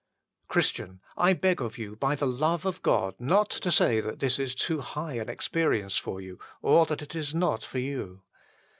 Christian, I beg of you by the love of God not to say that this is too high an experience for you, or that it is not for you.